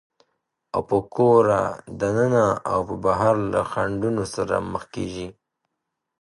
او په کوره دننه او بهر له خنډونو سره مخېږي،